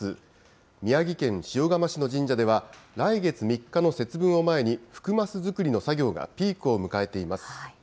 宮城県塩釜市の神社では、来月３日の節分を前に、福升作りの作業がピークを迎えています。